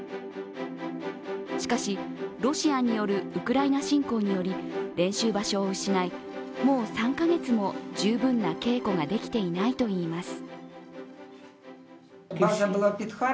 しかし、ロシアによるウクライナ侵攻により練習場所を失いもう３カ月も十分な稽古ができていないといいます。